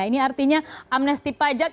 ini artinya amnesty pajak